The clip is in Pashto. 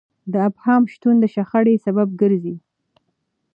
د ابهام شتون د شخړې سبب ګرځي.